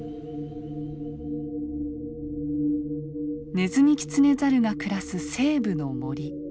ネズミキツネザルが暮らす西部の森。